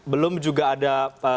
belum juga ada